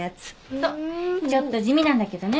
そっちょっと地味なんだけどね。